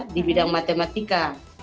di bidang matematika